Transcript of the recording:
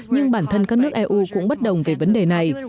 nhưng bản thân các nước eu cũng bất đồng về vấn đề này